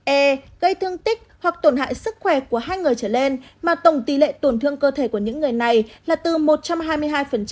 e gây thương tích hoặc tổn hại sức khỏe của hai người trở lên mà tổng tỷ lệ tổn thương cơ thể của những người này là từ một trăm hai mươi hai đến hai trăm linh